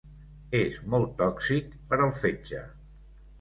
És molt tòxic per al fetge.